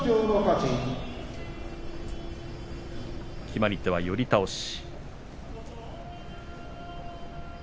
決まり手は寄り倒し。